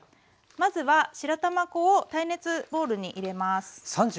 まずは白玉粉を耐熱ボウルに入れます。